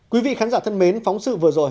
quý vị khán giả thân mến phóng sự vừa rồi